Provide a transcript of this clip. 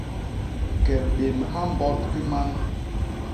Ke bémbha mbot i man.